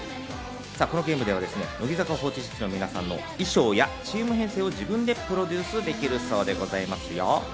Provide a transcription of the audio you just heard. このゲームでは乃木坂４６の皆さんの衣装やチーム編成を自分でプロデュースできるそうでございますよ。